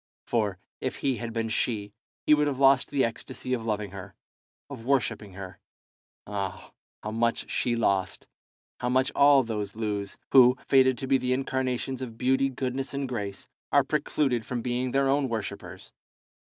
For, if he had been she, he would have lost the ecstasy of loving her, of worshipping her. Ah, how much she lost, how much all those lose, who, fated to be the incarnations of beauty, goodness, and grace, are precluded from being their own worshippers!